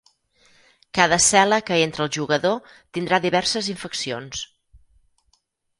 Cada cel·la que entra el jugador tindrà diverses infeccions.